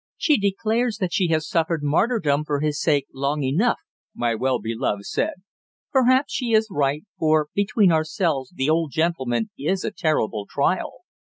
"She declares that she has suffered martyrdom for his sake long enough," my well beloved said. "Perhaps she is right, for between ourselves the old gentleman is a terrible trial."